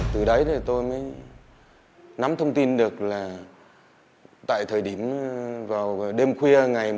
từ đấy thì tôi mới nắm thông tin được là tại thời điểm vào đêm khuya ngày một mươi chín